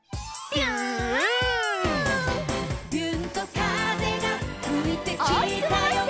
「びゅーんと風がふいてきたよ」